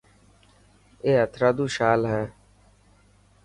اي هٿرادو شال هي.